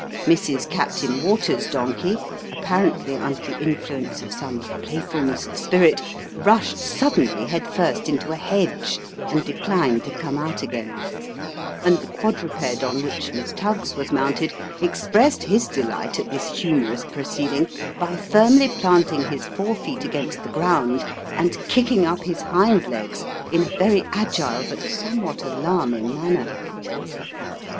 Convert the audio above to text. Mrs. Captain Waters's donkey, apparently under the influence of some playfulness of spirit, rushed suddenly, head first, into a hedge, and declined to come out again: and the quadruped on which Miss Tuggs was mounted, expressed his delight at this humorous proceeding by firmly planting his fore feet against the ground, and kicking up his hind legs in a very agile, but somewhat alarming manner.